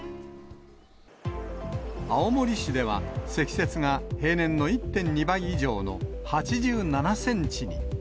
青森市では、積雪が平年の１．２倍以上の８７センチに。